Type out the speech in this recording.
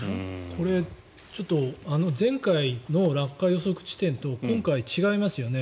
これ前回の落下予測地点と今回、違いますよね。